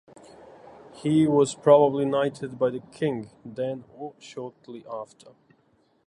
He was probably knighted by the king then or shortly after.